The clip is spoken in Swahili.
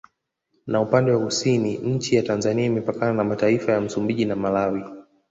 Na upande wa Kusini nchi ya Tanzania imepkana na mataifa ya Msumbiji na Malawi